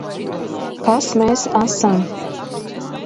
Kas mēs esam?